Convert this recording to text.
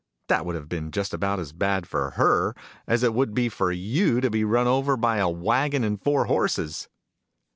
That would have been just about as bad, for her , as it would be for you to be run over by a waggon and four horses